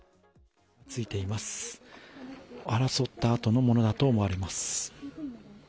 争った跡のものだと思われます。